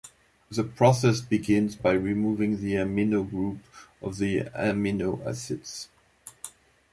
The process begins by removing the amino group of the amino acids.